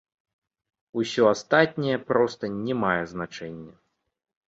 Усё астатняе проста не мае значэння.